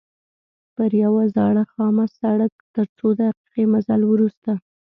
پر یوه زاړه خامه سړک تر څو دقیقې مزل وروسته.